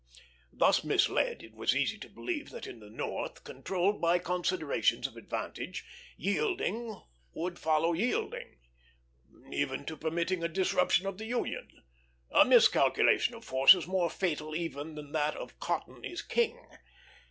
Thus misled, it was easy to believe that in the North, controlled by considerations of advantage, yielding would follow yielding, even to permitting a disruption of the Union a miscalculation of forces more fatal even than that of "Cotton is King."